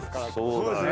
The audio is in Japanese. そうですね。